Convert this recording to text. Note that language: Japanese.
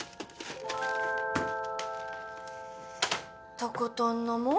とことん飲もう